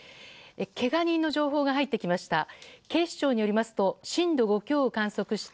けが人の情報が入ってきました。